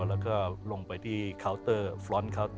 แล้วก็ลงไปที่เคาน์เตอร์ฟรอนต์เคาน์เตอร์